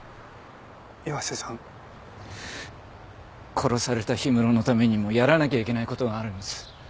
殺された氷室のためにもやらなきゃいけない事があるんです。